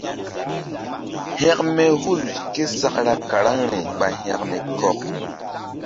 Hȩkme hul késakra karaŋri ɓa hȩkme kɔk.